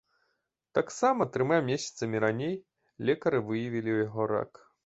Таксама трыма месяцамі раней лекары выявілі ў яго рак.